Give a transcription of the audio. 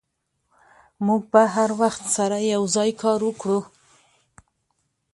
موږ به هر وخت سره یوځای کار وکړو.